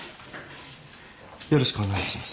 よろしくお願いします。